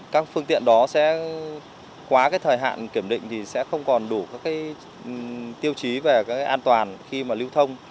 các phương tiện đó sẽ quá thời hạn kiểm định thì sẽ không còn đủ tiêu chí về an toàn khi lưu thông